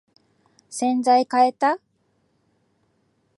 洗剤かえた？